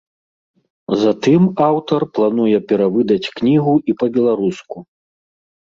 Затым аўтар плануе перавыдаць кнігу і па-беларуску.